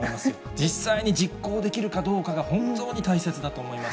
実際に実行できるかどうかが、本当に大切だと思います。